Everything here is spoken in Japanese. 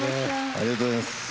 ありがとうございます。